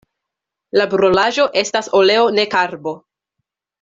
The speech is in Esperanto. La brulaĵo estas oleo ne karbo.